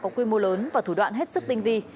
có quy mô lớn và thủ đoạn hết sức tinh vi